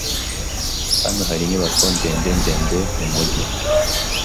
Hano hari inyubako ndende ndende mumujyi.